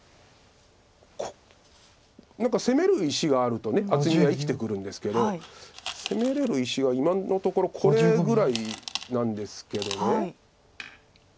何か攻める石があると厚みは生きてくるんですけど攻めれる石が今のところこれぐらいなんですけど。